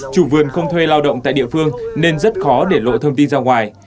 chủ vườn không thuê lao động tại địa phương nên rất khó để lộ thông tin ra ngoài